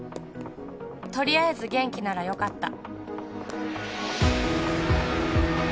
「とりあえず元気ならよかった」